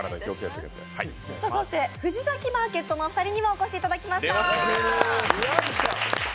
そして藤崎マーケットのお二人にもお越しいただきました。